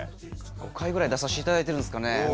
５回ぐらい出させていただいてるんですかね。